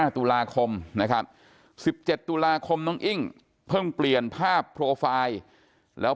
ตุลาคมนะครับ๑๗ตุลาคมน้องอิ้งเพิ่งเปลี่ยนภาพโปรไฟล์แล้ว